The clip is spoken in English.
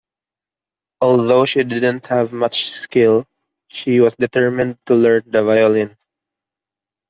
Although she didn't have much skill, she was determined to learn the violin.